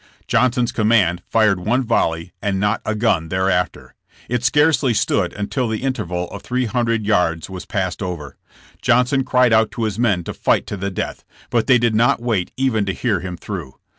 Johnson's command fired one volley and not a gun thereafter. It scarcely stood until the interval of three hundred yards was passed over. Johnson cried out to his men to fight to the death, but they did not wait even to hear him through.